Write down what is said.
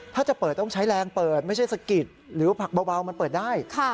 ถ้าจะเปิดต้องใช้แรงเปิดไม่ใช่สะกิดหรือผักเบามันเปิดได้